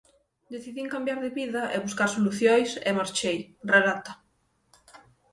Decidín cambiar de vida e buscar solucións e marchei, relata.